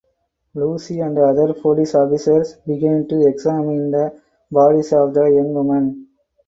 Lucy and other police officers begin to examine the bodies of the young women.